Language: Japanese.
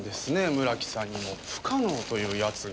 村木さんにも不可能というやつが。